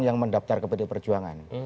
yang mendaptar ke pd perjuangan